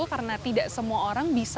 karena tidak semua orang bisa